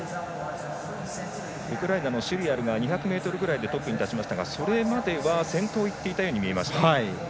ウクライナのシュリアルが２００ｍぐらいでトップに立ちましたがそれまでは先頭をいっていたように見えました。